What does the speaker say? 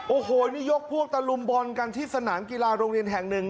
โอ้โหนี่ยกพวกตะลุมบอลกันที่สนามกีฬาโรงเรียนแห่งหนึ่ง